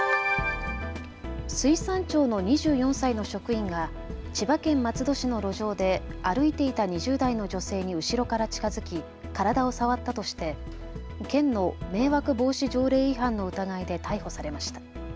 水産庁の２４歳の職員が千葉県松戸市の路上で歩いていた２０代の女性に後ろから近づき体を触ったとして県の迷惑防止条例違反の疑いで逮捕されました。